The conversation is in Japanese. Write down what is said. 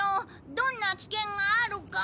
どんな危険があるか。